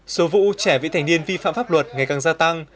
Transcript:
số vụ trẻ vị thành niên vi phạm pháp luật ngày càng gia tăng